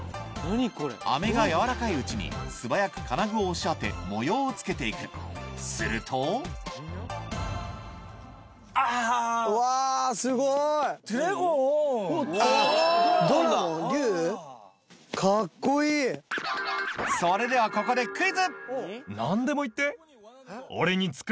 あめが軟らかいうちに素早く金具を押し当て模様をつけていくするとそれではここでえ。